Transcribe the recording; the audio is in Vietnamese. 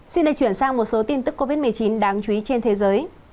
xin được chuyển sang một số tin tức covid một mươi chín đáng chú ý trên thế giới